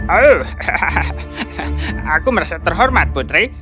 oh aku merasa terhormat putri